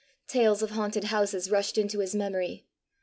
Tales of haunted houses rushed into his memory.